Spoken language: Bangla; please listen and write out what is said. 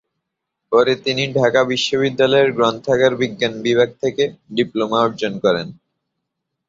পরে তিনি ঢাকা বিশ্ববিদ্যালয়ের গ্রন্থাগার বিজ্ঞান বিভাগ থেকে ডিপ্লোমা অর্জন করেন।